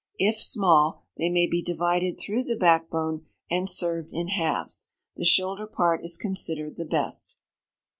It small, they may be divided through the back bone, and served in halves. The shoulder part is considered the best.